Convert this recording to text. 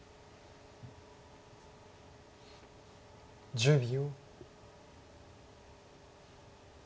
１０秒。